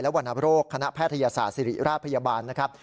วรรณโรคคณะแพทยศาสตร์ศิริราชพยาบาลนะครับ